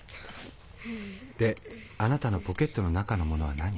であなたのポケットの中のものは何？